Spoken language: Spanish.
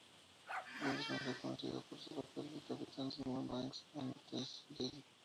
Young es mejor conocido por su papel del Capitán Simon Banks en "The Sentinel".